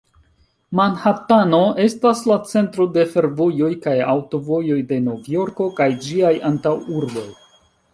Manhatano estas la centro de fervojoj kaj aŭtovojoj de Novjorko kaj ĝiaj antaŭurboj.